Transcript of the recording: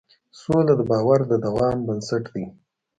سوله د باور د دوام بنسټ ده.